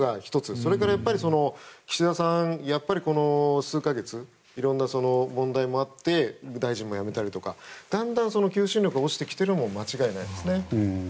それから、岸田さんはやっぱりこの数か月いろんな問題もあって大臣も辞めたりとかだんだん求心力が落ちてきているのは間違いないですね。